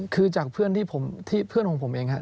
คือจากเพื่อนที่เพื่อนของผมเองครับ